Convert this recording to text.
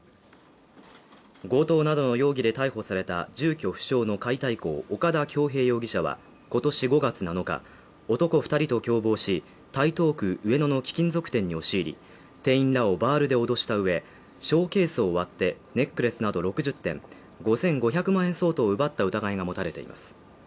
強盗などの容疑で逮捕された住居不詳の解体工、岡田響平容疑者は今年５月７日、男２人と共謀し、台東区上野の貴金属店に押し入り、店員らをバールで脅したうえ、ショーケースを割って、ネックレスなど６０点、５５００万円相当を奪った疑いが持たれています。